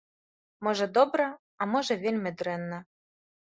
Можа, добра, а можа, вельмі дрэнна.